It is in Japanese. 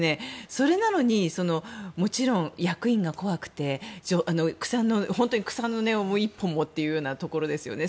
それなのにもちろん役員が怖くて本当に草の根を１本もというようなところですよね。